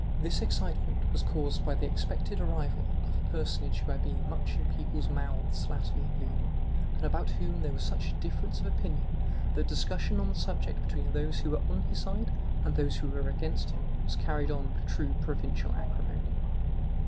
This excitement was caused by the expected arrival of a personage who had been much in people's mouths latterly in Loudun, and about whom there was such difference of opinion that discussion on the subject between those who were on his side and those who were against him was carried on with true provincial acrimony.